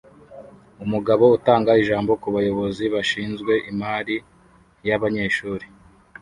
Umugabo utanga ijambo kubayobozi bashinzwe imari yabanyeshuri